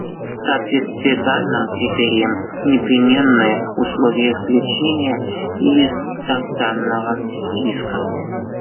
Соответствие данным критериям — непременное условие исключения из санкционного списка.